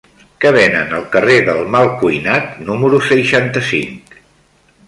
Què venen al carrer del Malcuinat número seixanta-cinc?